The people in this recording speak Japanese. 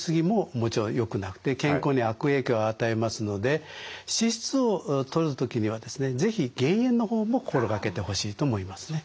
もちろんよくなくて健康に悪影響を与えますので脂質をとる時にはですね是非減塩の方も心掛けてほしいと思いますね。